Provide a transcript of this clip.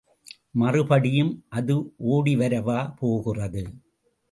மறுபடியும் அது ஓடிவரவா போகிறது.